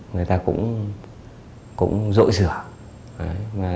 người ta cũng rội rửa